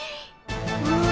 うん。